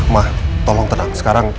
ma tolong tenang sekarang